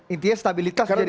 intinya stabilitas jadi kunci